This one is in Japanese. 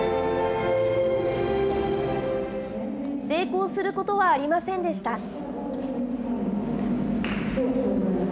成功することはありませんでした。